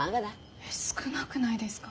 えっ少なくないですか？